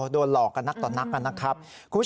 โดนหลอกกันนักต่อนักกันนะครับ